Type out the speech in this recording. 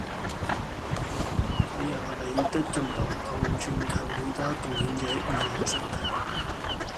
睇下您的進度同全球其他貢獻者如何相比